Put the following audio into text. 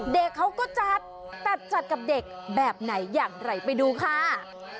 เด็กเขาก็จัดแต่จัดจัดกับเด็กแบบไหนอย่างไรไปดูค่ะ